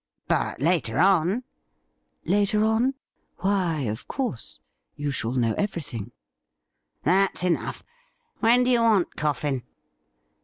But later on ?' 'Later on? Why, of course — you shall know every thing.' ' That's enough. When do you want Coffin